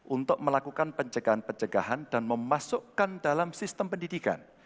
untuk melakukan pencegahan pencegahan dan memasukkan dalam sistem pendidikan